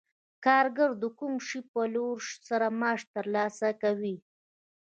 کارګر د کوم شي په پلورلو سره معاش ترلاسه کوي